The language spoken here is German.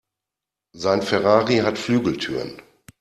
Sein Ferrari hat Flügeltüren.